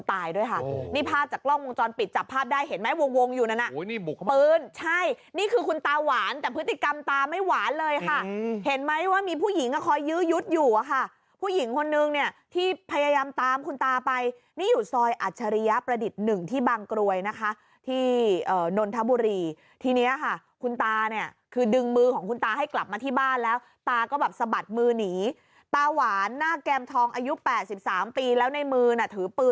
แต่พฤติกรรมตาไม่หวานเลยค่ะเห็นไหมว่ามีผู้หญิงก็คอยยื้อยุดอยู่ค่ะผู้หญิงคนนึงเนี่ยที่พยายามตามคุณตาไปนี่อยู่ซอยอัชริยประดิษฐ์หนึ่งที่บางกรวยนะคะที่เอ่อนนทบุรีที่เนี่ยค่ะคุณตาเนี่ยคือดึงมือของคุณตาให้กลับมาที่บ้านแล้วตาก็แบบสะบัดมือนีตาหวานหน้าแกรมทองอายุ๘๓ปีแล้วในมือน่ะถื